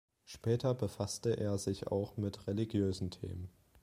Später befasste er sich auch mit religiösen Themen.